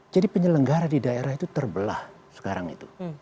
jadi penyelenggara di daerah itu terbelah sekarang itu